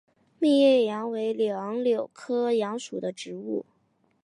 密叶杨为杨柳科杨属的植物。